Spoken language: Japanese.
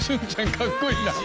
かっこいいな！